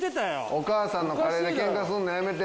お母さんのカレーでケンカするのやめて。